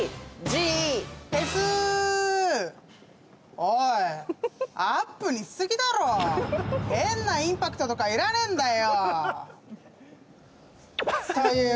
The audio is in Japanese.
おい、アップにしすぎだろ変なインパクトとか要らねえんだよ！